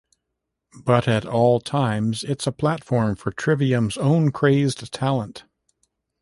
But at all times it's a platform for Trivium's own crazed talent.